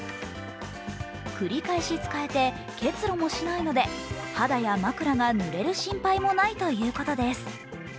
繰り返し使えて、結露もしないので肌や枕がぬれる心配もないということです。